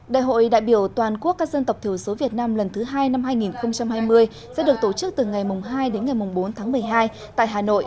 đại hội đại biểu toàn quốc các dân tộc thiểu số việt nam lần thứ hai năm hai nghìn hai mươi sẽ được tổ chức từ ngày hai đến ngày bốn tháng một mươi hai tại hà nội